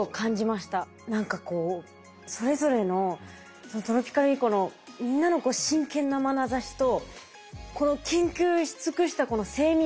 何かこうそれぞれのトロピカルインコのみんなの真剣なまなざしとこの研究し尽くしたこの精密さと。